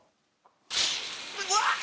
うわっ！